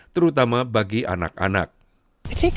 terutama bagi orang orang yang berada di australia